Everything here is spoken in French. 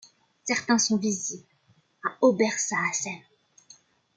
Certains sont visibles à Obersaasheim.